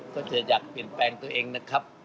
ก็เธออยากเปลี่ยนแปลงตัวเองนะครับ